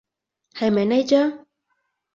係咪呢張？